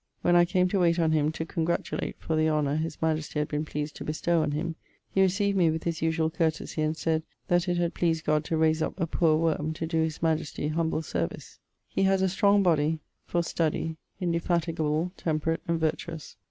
When I came to wayte on him to congratulate for the honour his majestie had been pleased to bestowe on him, he recieved me with his usuall courtesie, and sayd that 'it had pleased God to rayse up a poore worme to doe his majestie humble service.' He haz a strong body for study, indefatigable, temperate and vertuous.